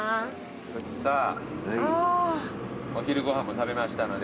さあお昼ご飯も食べましたので。